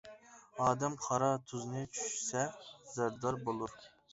ئادەم قارا تۇزنى چۈشىسە، زەردار بولۇر.